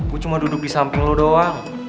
gue cuma duduk disamping lo doang